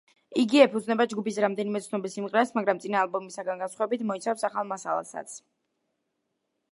იგი ეფუძნება ჯგუფის რამდენიმე ცნობილ სიმღერას, მაგრამ, წინა ალბომისგან განსხვავებით, მოიცავს ახალ მასალასაც.